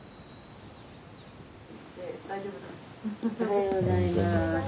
おはようございます。